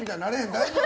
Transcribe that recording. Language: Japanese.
大丈夫？